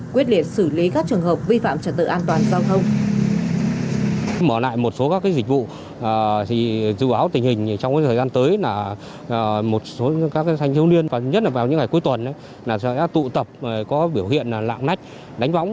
quyết liệt xử lý các trường hợp vi phạm trật tự an toàn giao thông